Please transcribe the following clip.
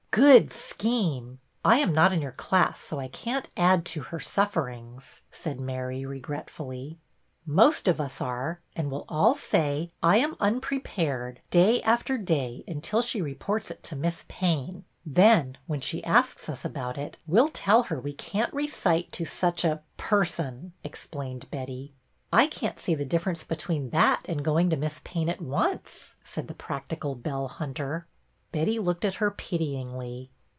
" Good scheme ! I am not in your class so I can't add to her sufferings," said Mary, regretfully. " Most of us are, and we 'll all say, ' 1 am unprepared ' day after day until she reports it to Miss Payne; then, when she asks us about it, we 'll tell her we can't recite to such a — person," explained Betty. " I can't see the difference between that A FEAST — NEW TEACHER 179 and going to Miss Payne at once," said the practical Belle Hunter. Betty looked at her pityingly.